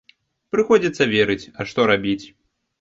Прыходзіцца верыць, а што рабіць?